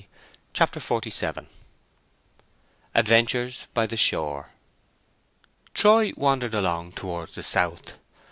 CHAPTER XLVII ADVENTURES BY THE SHORE Troy wandered along towards the south.